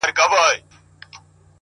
ښه ملګرتیا فکرونه لوړوي.!